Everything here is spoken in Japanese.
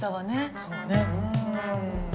そうね。